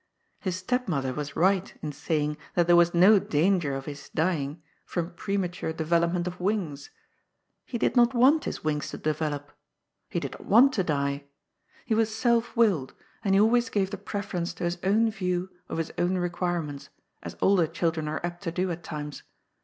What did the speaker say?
His stepmother was right in saying that there was no danger of his dying from premature development of wings. He did not want his wings to develop. He did not want to die. He was self willed, and he always gave the preference to his own view of his own requirements, as older children are apt to do at times.